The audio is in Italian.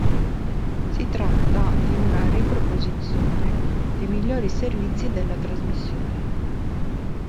Si tratta di una riproposizione dei migliori servizi della trasmissione.